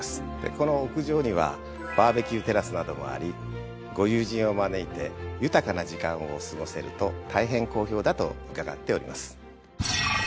この屋上にはバーベキューテラスなどもありご友人を招いて豊かな時間を過ごせると大変好評だと伺っております。